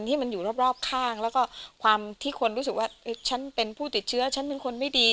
ที่มันอยู่รอบข้างแล้วก็ความที่คนรู้สึกว่าฉันเป็นผู้ติดเชื้อฉันเป็นคนไม่ดี